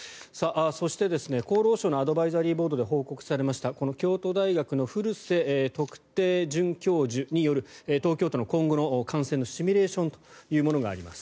そして、厚労省のアドバイザリーボードで報告されました、京都大学の古瀬特定准教授による東京都の今後の感染のシミュレーションがあります。